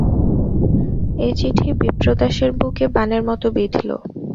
এ চিঠি বিপ্রদাসের বুকে বাণের মতো বিঁধল।